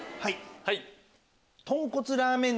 はい。